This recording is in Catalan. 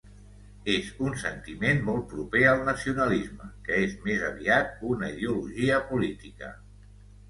És un sentiment molt proper al nacionalisme, que és més aviat una ideologia política.